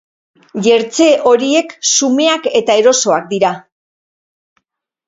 Jertse horiek xumeak eta erosoak dira.